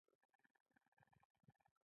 کابل د افغانستان د زرغونتیا نښه ده.